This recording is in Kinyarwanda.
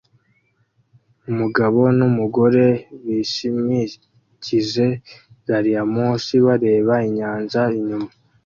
Umugabo numugore bishimikije gariyamoshi bareba inyanja inyuma